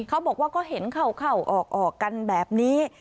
เขาบอกว่าก็เห็นเข้าออกกันแบบนี้